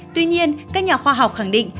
tuy nhiên các nhà khoa học khẳng định